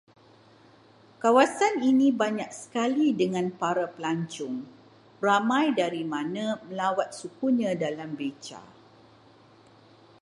Kawasan ini banyak sekali dengan para pelancong, ramai dari mana melawat sukunya dalam beca